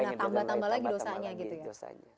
nah tambah tambah lagi dosanya gitu ya